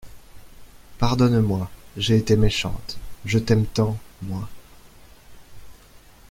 Pardonne-moi, j'ai été méchante, je t'aime tant, moi!